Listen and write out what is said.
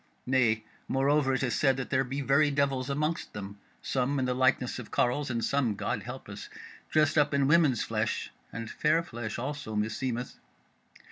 Nay, moreover, it is said that there be very devils amongst them; some in the likeness of carles, and some (God help us) dressed up in women's flesh; and fair flesh also, meseemeth.